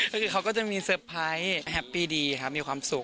ก็คือเขาก็จะมีเซอร์ไพรส์แฮปปี้ดีครับมีความสุข